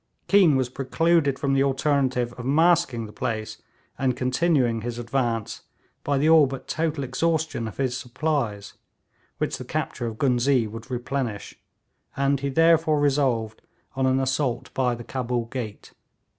Keane was precluded from the alternative of masking the place and continuing his advance by the all but total exhaustion of his supplies, which the capture of Ghuznee would replenish, and he therefore resolved on an assault by the Cabul gate.